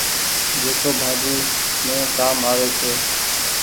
جيڪو ڀآڃي مين ڪآم آوي ڇي۔